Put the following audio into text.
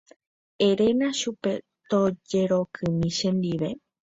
Eréna chupe tojerokymi chendive.